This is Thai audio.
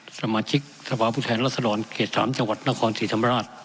สมาชิกสภาพุทธแหละสลอนเกษตร๓จังหวัดนครศิษย์ธรรมราช